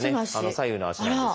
左右の足なんですけども。